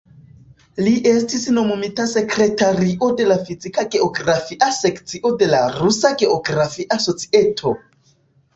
Li estis nomumita sekretario de la Fizika Geografia sekcio de la Rusa Geografia Societo.